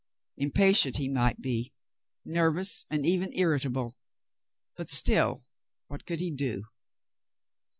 Impatient he might be, nervous, and even irritable, but still what could he do